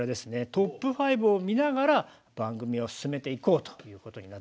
トップ５を見ながら番組を進めていこうということになっております。